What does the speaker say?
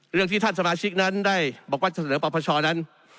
เรื่องที่ท่านสมาชิกนั้นได้บอกว่าเสนอปรปชนั้น